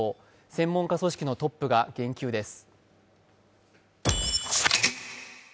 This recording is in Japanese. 専門家組織のトップが言及です。